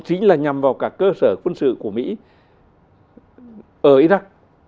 chính là nhằm vào các cơ sở quân sự của mỹ ở iraq